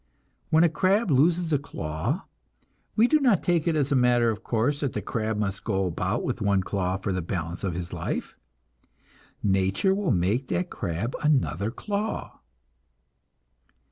When a crab loses a claw, we do not take it as a matter of course that the crab must go about with one claw for the balance of its life; nature will make that crab another claw.